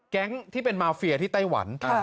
ที่เป็นมาเฟียที่ไต้หวัน